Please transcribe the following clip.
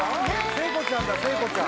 聖子ちゃんだ聖子ちゃん